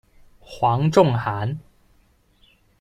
黄仲涵。